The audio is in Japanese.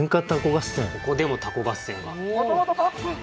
ここでも凧合戦が。